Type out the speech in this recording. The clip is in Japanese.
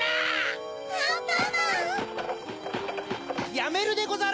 やめるでござる！